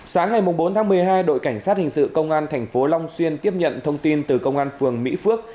sáng ngày bốn tháng một mươi hai đội cảnh sát hình sự công an thành phố long xuyên tiếp nhận thông tin từ công an phường mỹ phước